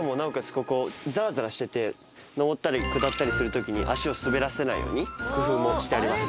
ここザラザラしてて上ったり下ったりする時に足を滑らせないように工夫もしてあります。